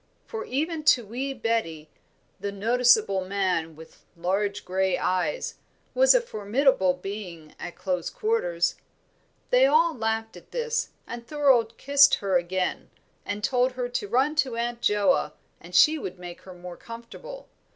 For, even to wee Betty, "the noticeable man, with large grey eyes" was a formidable being at close quarters. They all laughed at this; and Thorold kissed her again, and told her to run to Aunt Joa and she would make her more comfortable.